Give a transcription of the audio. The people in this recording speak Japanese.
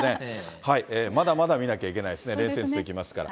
まだまだ見なきゃいけないですね、連戦続きますから。